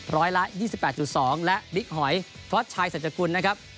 ร้อยละ๒๘๒และบิ๊กหอยฟอสชัยสัจกุลนะครับ